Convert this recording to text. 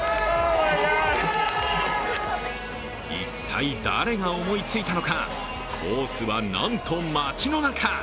一体、誰が思いついたのか、コースはなんと街の中。